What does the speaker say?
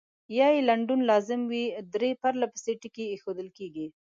یا یې لنډون لازم وي درې پرلپسې ټکي اېښودل کیږي.